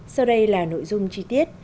sau đây là nội dung chi tiết